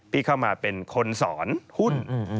ที่เข้ามาเป็นคนสอนหุ้น